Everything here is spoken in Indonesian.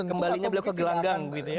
kembalinya beliau ke gelanggang gitu ya